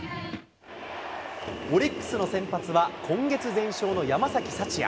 オリックスの先発は、今月全勝の山崎福也。